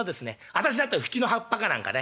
私だったらふきの葉っぱか何かね」。